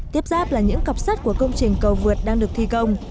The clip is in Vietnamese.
tiếp giáp là những cặp sắt của công trình cầu vượt đang được thi công